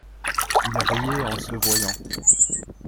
Il riait en se voyant.